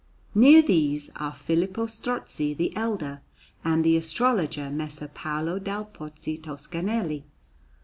Near these are Filippo Strozzi the elder and the astrologer Messer Paolo dal Pozzo Toscanelli.